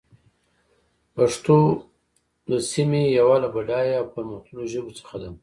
پښتو د سيمې يوه له بډايه او پرمختللو ژبو څخه ده.